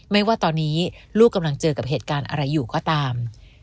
ไม่ว่าตอนนี้ลูกกำลังเจอกับเหตุการณ์อะไรอยู่ก็ตาม